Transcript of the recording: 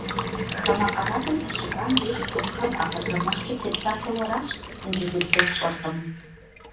Хамэ къаралым сыщыкӏуам деж цӏыхухэм ӏэпэтэрмэшкӏэ сепсалъэу аращ, инджылыбзэ сщӏэркъыми.